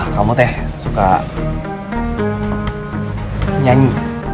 kamu teh suka nyanyi